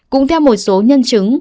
cũng theo một số nhân chứng